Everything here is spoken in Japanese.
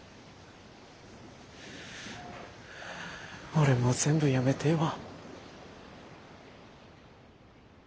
俺もう全部やめてえわ。